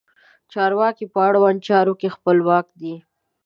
چارواکي په اړونده چارو کې خپلواک دي.